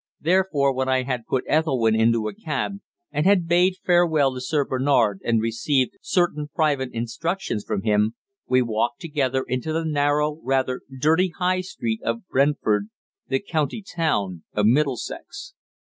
Therefore when I had put Ethelwynn into a cab, and had bade farewell to Sir Bernard and received certain private instructions from him, we walked together into the narrow, rather dirty High Street of Brentford, the county town of Middlesex.